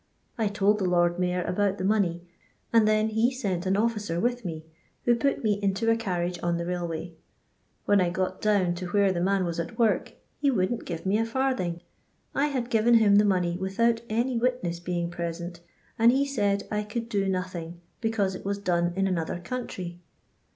I told the Lord Mayor about the money, and then he sent an officer with me, who put me into m carriage on the railway. When I got down to where the man was at work, he womdnH ^ve me a fiu thing; I had given him the money without any witness bring present, and he said I could do nothinor, because it was done in another country.